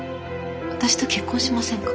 私と結婚しませんか。